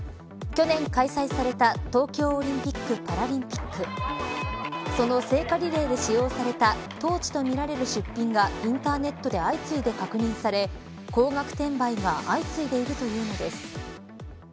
去年開催された東京オリンピック・パラリンピックその聖火リレーで使用されたトーチとみられる出品がインターネットで相次いで確認され高額転売が相次いでいるというのです。